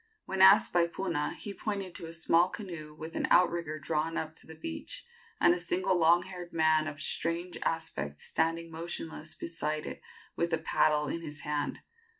When asked by Puna, he pointed to a small canoe with an outrigger drawn up on the beach, and a single long haired man of strange aspect standing motionless beside it with a paddle in his hand.